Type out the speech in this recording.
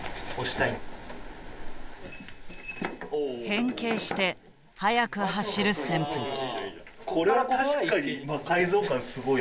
変形して速く走る扇風機。